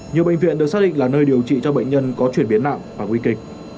nhiều bệnh viện được xác định là nơi điều trị cho bệnh nhân có chuyển biến nặng và nguy kịch